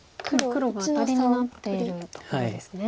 黒がアタリになっているところですね。